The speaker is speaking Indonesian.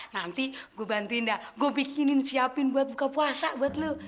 nanti gue bantuin dah gue bikinin siapin buat buka puasa buat lu